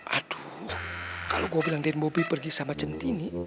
aduh kalau gua bilang den bobi pergi sama centini